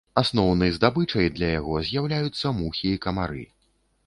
Асноўны здабычай для яго з'яўляюцца мухі і камары.